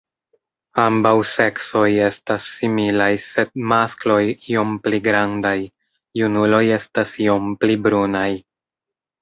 Ambaŭ seksoj estas similaj sed maskloj iom pli grandaj; junuloj estas iom pli brunaj.